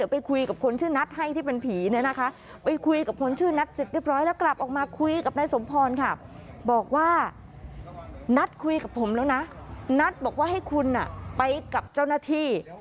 ไปกับเจ้าหน้าที่